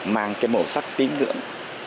mang màu sắc tín ngưỡng